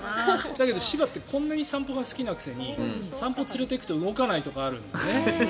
だけど柴ってこんなに散歩が好きなのに散歩に連れていくと動かないとかあるんだよね。